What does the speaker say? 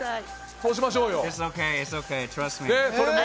そうしましょうよ。